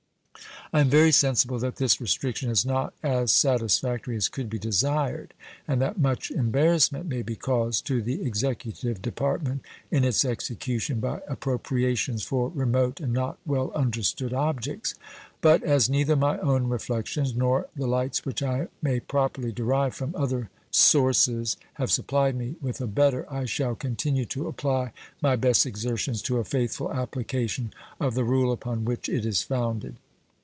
I am very sensible that this restriction is not as satisfactory as could be desired, and that much embarrassment may be caused to the executive department in its execution by appropriations for remote and not well understood objects. But as neither my own reflections nor the lights which I may properly derive from other sources have supplied me with a better, I shall continue to apply my best exertions to a faithful application of the rule upon which it is founded.